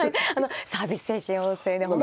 サービス精神旺盛で本当にもう。